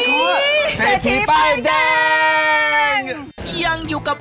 น้องใบตองของเรารออยู่แล้วนะครับคุณผู้ชม